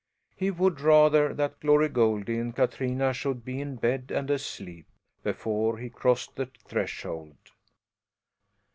He would rather that Glory Goldie and Katrina should be in bed and asleep before he crossed the threshold.